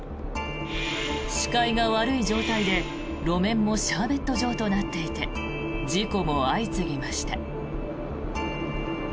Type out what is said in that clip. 視界が悪い状態で、路面もシャーベット状となっていて事故も相次ぎました。